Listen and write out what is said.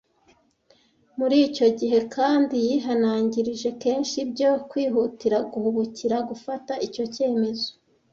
Muri icyo gihe kandi, yihanangirije kenshi ibyo kwihutira guhubukira gufata icyo cyemezo,